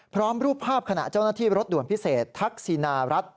รูปภาพขณะเจ้าหน้าที่รถด่วนพิเศษทักษินารัฐ